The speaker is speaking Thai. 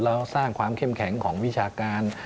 แล้วสร้างความเข้มแข็งของวิชาการ